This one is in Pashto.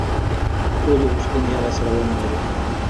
ټولې غوښتنې یې راسره ومنلې.